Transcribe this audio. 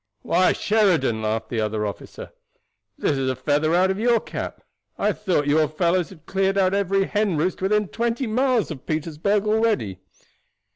"Why, Sheridan," laughed the other officer, "this is a feather out of your cap. I thought your fellows had cleared out every hen roost within twenty miles of Petersburg already."